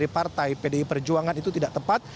pdi perjuangan itu tidak tepat